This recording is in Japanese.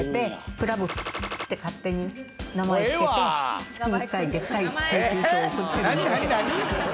クラブ○○って勝手に名前つけて、月１回でっかい請求書を送っている。